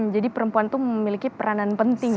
jadi perempuan itu memiliki peranan penting ya